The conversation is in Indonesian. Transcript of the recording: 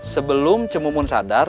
sebelum cemumun sadar